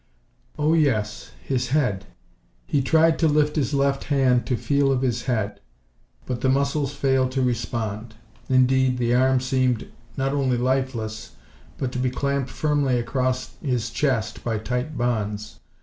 Oh, yes! His head. He tried to lift his left hand to feel of his head, but the muscles failed to respond. Indeed, the arm seemed not only lifeless, but to be clamped firmly across his chest by tight bonds.